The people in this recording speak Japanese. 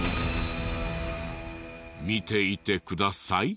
見ていてください。